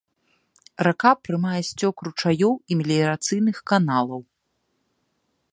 Рака прымае сцёк ручаёў і меліярацыйных каналаў.